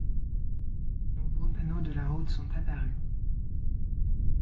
De nouveau panneaux de la route sont apparus